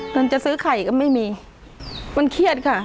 รู้มั้ยลูกมิลกว่ามินรู้ไม่ลูก